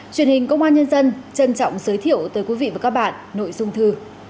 truyền hình công an nhân dân trân trọng giới thiệu tới quý vị và các bạn nội dung thư